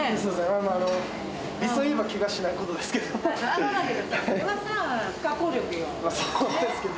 俺も理想を言えばけがしないことですけど。